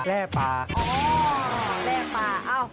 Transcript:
แลปลาอ๋อแลปลาเอ้า